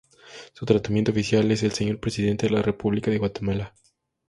Su tratamiento oficial es "El Señor Presidente de la República de Guatemala".